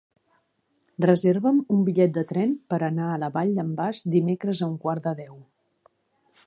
Reserva'm un bitllet de tren per anar a la Vall d'en Bas dimecres a un quart de deu.